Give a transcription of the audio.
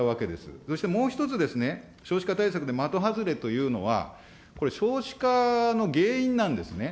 そしてもう一つですね、少子化対策で的外れというのは、これ、少子化の原因なんですね。